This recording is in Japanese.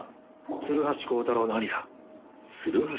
鶴橋光太郎の兄だ。